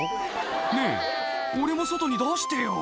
「ねぇ俺も外に出してよ」